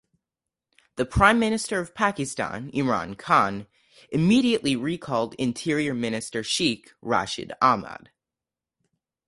The Prime Minister of Pakistan Imran Khan immediately recalled Interior Minister Sheikh Rashid Ahmad.